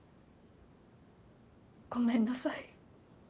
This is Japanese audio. ごめんなさい。